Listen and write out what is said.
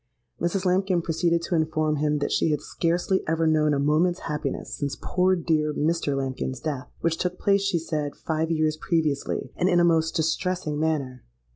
Mrs. Lambkin proceeded to inform him that she had scarcely ever known a moment's happiness since poor dear Mr. Lambkin's death, which took place, she said, five years previously, and in a most distressing manner.